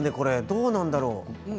どうなんだろう。